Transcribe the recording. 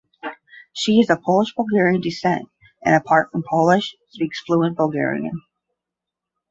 She is of Polish–Bulgarian descent and apart from Polish speaks fluent Bulgarian.